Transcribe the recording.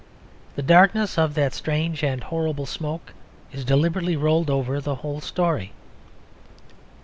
The darkness of that strange and horrible smoke is deliberately rolled over the whole story.